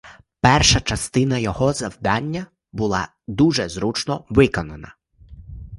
Перша частина його завдання була дуже зручно виконана.